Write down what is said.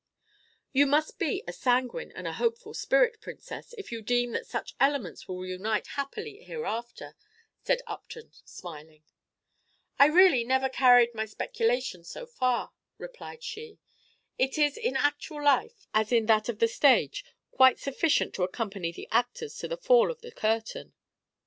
"You must be a sanguine and a hopeful spirit, Princess, if you deem that such elements will unite happily hereafter," said Upton, smiling. "I really never carried my speculations so far," replied she. "It is in actual life, as in that of the stage, quite sufficient to accompany the actors to the fall of the curtain."